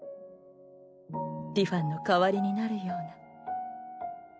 ティファンの代わりになるように。